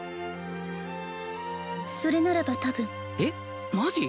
それならば多分えっマジ？